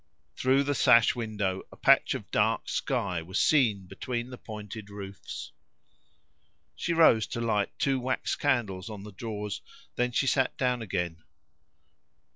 Through the sash window a patch of dark sky was seen between the pointed roofs. She rose to light two wax candles on the drawers, then she sat down again.